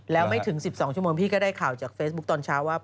แล้วไม่ถึง๑๒ชั่วโมงพี่ก็ได้ข่าวจากเฟซบุ๊คตอนเช้าว่า